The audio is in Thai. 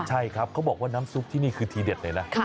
ใช่ครับเขาบอกว่าน้ำซุปที่นี่คือทีเด็ดเลยนะ